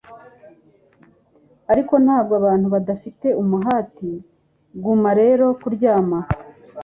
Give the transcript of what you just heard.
Ariko ntabwo abantu badafite umugati guma rero kuryama